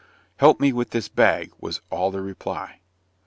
"Help me with this bag," was all the reply.